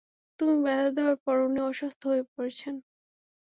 তুমি ব্যথা দেবার পর উনি অসুস্থ হয়ে পড়েছেন।